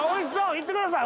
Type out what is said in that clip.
行ってください。